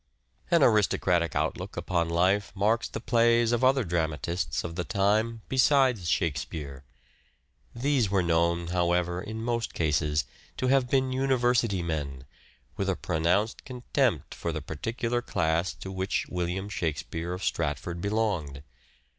An aristocratic outlook upon life marks the plays of other dramatists of the time besides Shakespeare. These were known, however, in most cases to have been university men, with a pronounced contempt for the particular class to which William Shakspere of Stratford belonged.